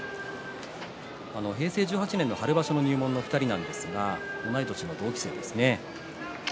平成１８年春場所の入門の２人ですが同い年の同期生です。